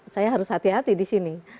saya harus hati hati di sini